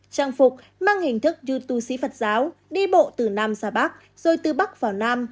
trang phục mang hình thức yo tu sĩ phật giáo đi bộ từ nam ra bắc rồi từ bắc vào nam